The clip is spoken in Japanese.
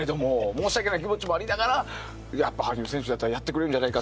申し訳ない気持ちもありながら羽生選手だったらやってくれるんじゃないか。